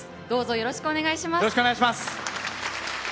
よろしくお願いします。